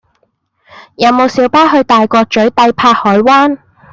有無小巴去大角嘴帝柏海灣